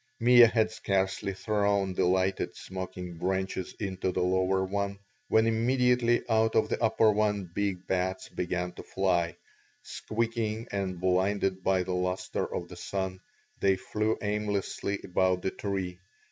Mea had scarcely thrown the lighted, smoking branches into the lower one when immediately out of the upper one big bats began to fly; squeaking and blinded by the luster of the sun, they flew aimlessly about the tree.